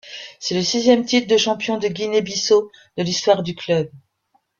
C'est le sixième titre de champion de Guinée-Bissau de l'histoire du club.